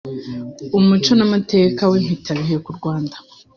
Umuco n’Amateka y’impitabihe ku Rwanda